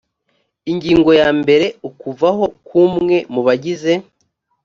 ingingo ya mbere ukuvaho kw umwe mu bagize